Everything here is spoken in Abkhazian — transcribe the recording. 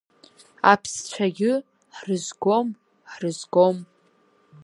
Аԥсцәагьы ҳрызгом, ҳрызгом…